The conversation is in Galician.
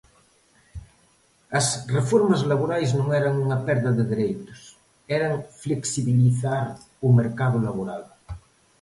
As reformas laborais non eran unha perda de dereitos, eran flexibilizar o mercado laboral.